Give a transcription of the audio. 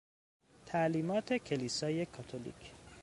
تعلیمات کلیسای کاتولیک